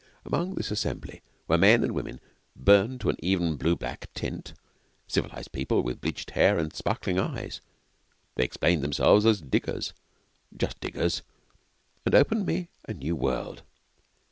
Among this assembly were men and women burned to an even blue black tint civilised people with bleached hair and sparkling eyes. They explained themselves as 'diggers' just diggers and opened me a new world.